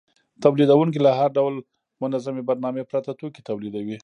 تولیدونکي له هر ډول منظمې برنامې پرته توکي تولیدوي